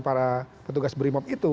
para petugas brimop itu